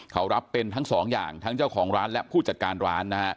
เขารับเป็นทั้งสองอย่างทั้งเจ้าของร้านและผู้จัดการร้านนะฮะ